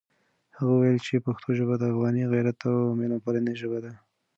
هغه وویل چې پښتو ژبه د افغاني غیرت او مېلمه پالنې ژبه ده.